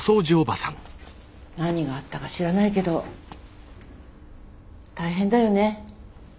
何があったか知らないけど大変だよね働くって。